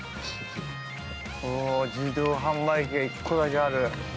自動販売機が１個だけある。